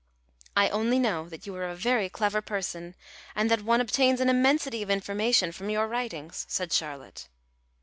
"I only know that you are a very clever person, and that one obtains an immensity of information from your writings," said Charlotte.